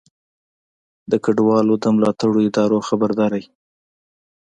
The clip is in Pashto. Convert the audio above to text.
د کډوالو د ملاتړو ادارو خبرداری